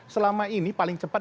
selama ini paling cepat